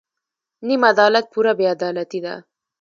نیم عدالت پوره بې عدالتي ده.